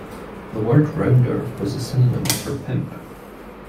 The word "rounder" was a synonym for "pimp".